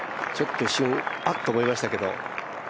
ちょっと一瞬あっと思いましたけど。